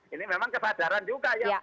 ini memang kesadaran juga ya